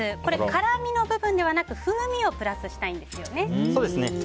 辛みの部分ではなく風味をプラスしたいんですよね。